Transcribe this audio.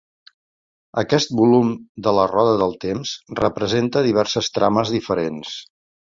Aquest volum de "La roda del temps" representa diverses trames diferents.